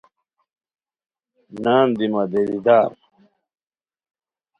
نان دی مادیری دار